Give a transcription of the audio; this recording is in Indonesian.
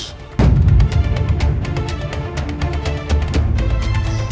sok kerasa nikmat yang tersisa